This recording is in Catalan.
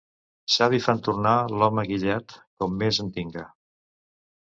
Savi fan tornar l'home guillat, com més en tinga.